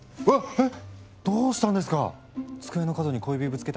えっ？